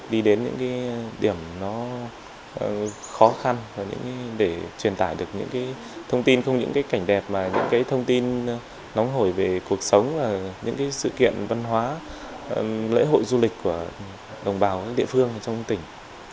đi đến những điểm khó khăn để truyền tải được những thông tin không những cảnh đẹp mà những thông tin nóng hổi về cuộc sống những sự kiện văn hóa lễ hội du lịch của đồng bào địa phương trong tỉnh